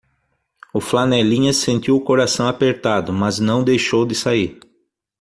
O flanelinha sentiu o coração apertado, mas não deixou de sair